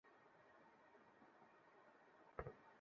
আমরাই করে নিতে পারব।